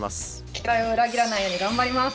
期待を裏切らないように頑張ります。